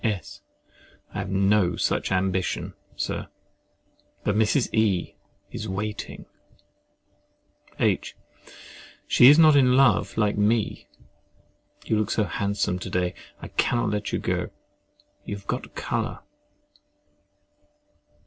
S. I have no such ambition, Sir. But Mrs. E—— is waiting. H. She is not in love, like me. You look so handsome to day, I cannot let you go. You have got a colour.